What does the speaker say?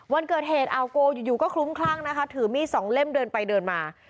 วันเกิดเหตุอาวโกอยู่ก็คลุ้มคลั่งนะคะถือมีดสองเล่มเดินไปเดินมา